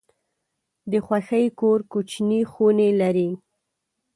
د خوښۍ کور کوچني خونې لري.